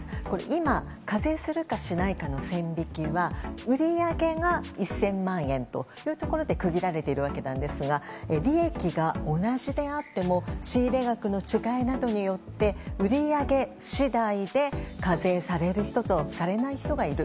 今、課税するかしないかの線引きは売り上げが１０００万円というところで区切られていますが利益が同じであっても仕入れ額の違いなどによって売り上げ次第で課税される人とされない人がいる。